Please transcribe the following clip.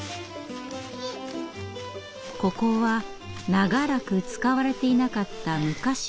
ここは長らく使われていなかった昔の山道。